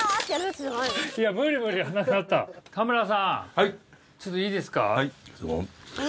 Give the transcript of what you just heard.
はいちょっといいですか？